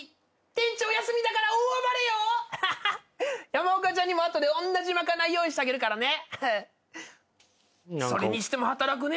山岡ちゃんにも後でおんなじ賄い用意してあげるからね。